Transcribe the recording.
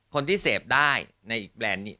คนที่เสพได้ในอีกแบรนด์นี้